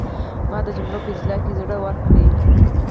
ما د جملو په اصلاح کې زړه ورک کړ.